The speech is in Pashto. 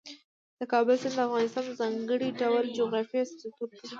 د کابل سیند د افغانستان د ځانګړي ډول جغرافیه استازیتوب کوي.